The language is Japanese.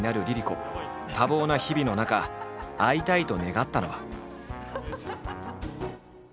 多忙な日々の中会いたいと願ったのは。